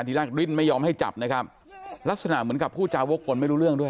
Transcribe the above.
ทีแรกดิ้นไม่ยอมให้จับนะครับลักษณะเหมือนกับผู้จาวกวนไม่รู้เรื่องด้วย